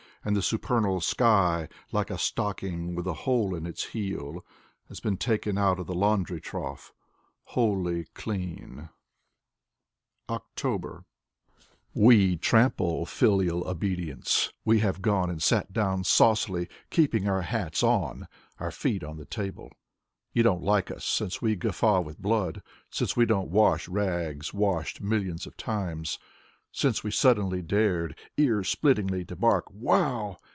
And the supernal sky, like a stocking With a hole in its heel Has been taken out of the laundry trough Wholly clean. 178 Atiatoly Marienhof OC3FeBER Wc trample filial obedience, We have gone and sat down saucily» Keeping our hats on, Our feet on the table. You don't like us, since we guffaw with blood. Since we don't wash rags washed millions of times, Since we suddenly dared, Ear splittingly, to bark: Wow!